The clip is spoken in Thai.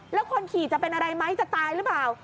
แล้วคนขี่จะเป็นอะไรไหมจะตายหรือเปล่า